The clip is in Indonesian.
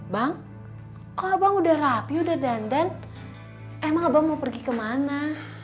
bang kalau bang udah rapi udah dandan emang mau pergi kemana